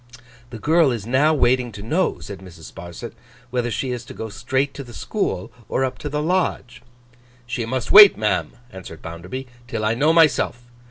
'The girl is now waiting to know,' said Mrs. Sparsit, 'whether she is to go straight to the school, or up to the Lodge.' 'She must wait, ma'am,' answered Bounderby, 'till I know myself.